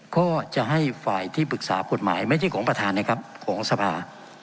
ก็จะให้ฝ่ายที่ปรึกษากฎหมายไม่ใช่ของประธานนะครับของสภา